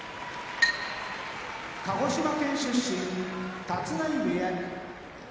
鹿児島県出身立浪部屋